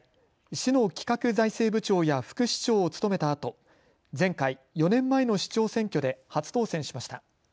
市の企画財政部長や副市長を務めたあと前回４年前の市長選挙で初当選しました。